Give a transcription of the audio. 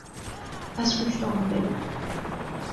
Parce que tu t'en rappelles.